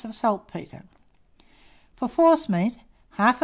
of saltpetre. For forcemeat, 1/2 lb.